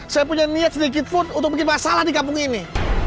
saya punya niat sedikitpun untuk bikin masalah di kampung ini